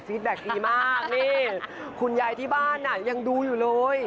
แบ็คดีมากนี่คุณยายที่บ้านยังดูอยู่เลย